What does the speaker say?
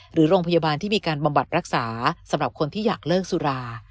หรือโรงพยาบาลที่มีการบำบัดรักษาสำหรับคนที่อยากเลิกสุรา